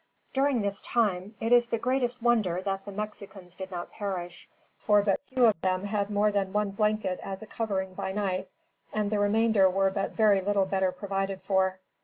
During this time, it is the greatest wonder that the Mexicans did not perish, for but few of them had more than one blanket as a covering by night, and the remainder were but very little better provided for.